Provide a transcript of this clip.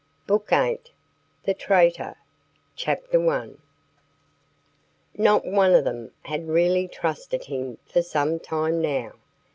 VIII THE TRAITOR Not one of them had really trusted him for some time now.